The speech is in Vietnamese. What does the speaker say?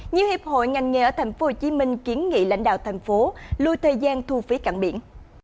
nhiều hiệp hội ngành nghề ở tp hcm kiến nghị lãnh đạo thành phố lùi thời gian thu phí cảng biển